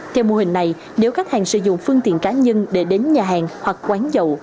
theo mô hình này nếu khách hàng sử dụng phương tiện cá nhân để đến nhà hàng hoặc quán dậu